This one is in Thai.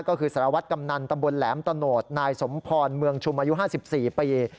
ก็คือสารวัตรกำนันตำบลแหลมตะโนธนายสมพรเมืองชุมอายุ๕๔ปี